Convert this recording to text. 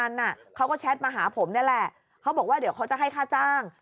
เขาก็แชทมาหาผมนี่แหละเขาบอกว่าเดี๋ยวเขาจะให้ค่าจ้าง